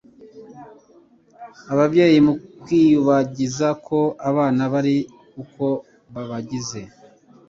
Ababyeyi mu kwiyibagiza ko abana bari uko babagize,